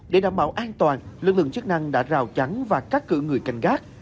để đảm bảo an toàn lực lượng chức năng đã rào chắn và cắt cử người canh gác